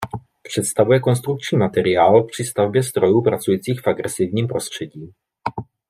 Představuje konstrukční materiál při stavbě strojů pracujících v agresivním prostředí.